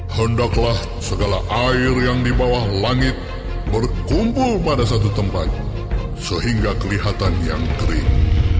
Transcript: hendaklah segala air yang di bawah langit berkumpul pada satu tempat sehingga kelihatan yang kering